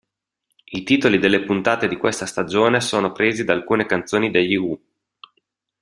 I titoli delle puntate di questa stagione sono presi da alcune canzoni degli Who.